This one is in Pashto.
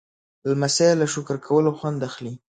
لمسی له شکر کولو خوند اخلي.